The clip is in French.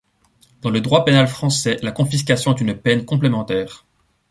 Dans le droit pénal français la confiscation est une peine complémentaire.